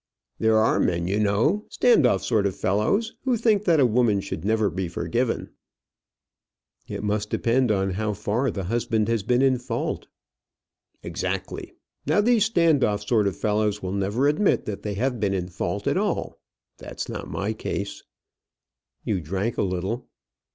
"There are men, you know, stand off sort of fellows, who think that a woman should never be forgiven." "It must depend on how far the husband has been in fault." "Exactly. Now these stand off sort of fellows will never admit that they have been in fault at all. That's not my case." "You drank a little."